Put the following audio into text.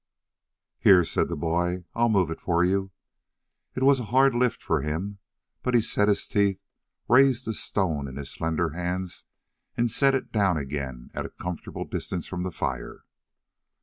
"Here," said the boy, "I'll move it for you." It was a hard lift for him, but he set his teeth, raised the stone in his slender hands, and set it down again at a comfortable distance from the fire.